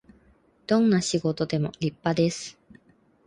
どんな仕事でも立派です